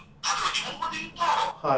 はい。